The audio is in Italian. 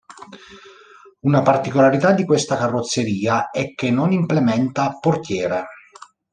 Una particolarità di questa carrozzeria è che non implementa portiere.